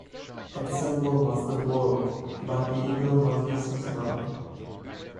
Its symbol was the bull, but the eagle was used as well.